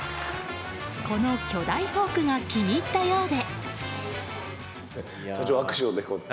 この巨大フォークが気に入ったようで。